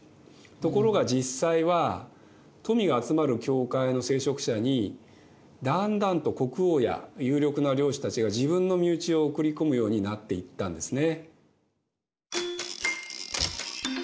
ところが実際は富が集まる教会の聖職者にだんだんと国王や有力な領主たちが自分の身内を送り込むようになっていったんですね。